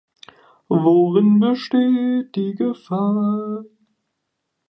Worin besteht die Gefahr?